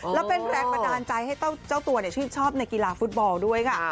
แล้วเป็นแรงบันดาลใจให้เจ้าตัวชื่นชอบในกีฬาฟุตบอลด้วยค่ะ